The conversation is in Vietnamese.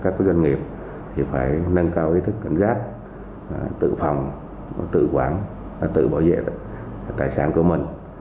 người dân và các doanh nghiệp phải nâng cao ý thức cảnh giác tự phòng tự quản tự bảo vệ tài sản của mình